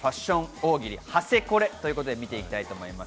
大喜利ハセコレということで見ていきます。